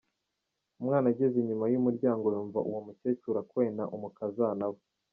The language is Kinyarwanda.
Umwana ageze inyuma y’umuryango yumva uwo mukecuru akwena umukazana we.